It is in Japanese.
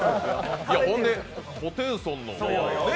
ほんで、ホテイソンのね。